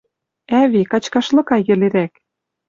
Ӓви, качкаш лыкай йӹлерӓк...»